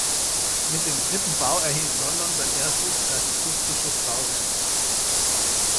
Mit dem dritten Bau erhielt London sein erstes klassizistisches Bauwerk.